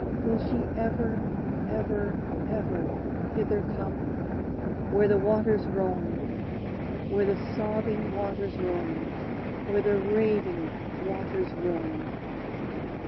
Will she ever, ever, ever hither come? Where the waters roam, Where the sobbing waters roam! Where the raving waters roam!